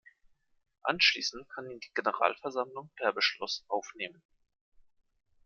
Anschließend kann ihn die Generalversammlung per Beschluss aufnehmen.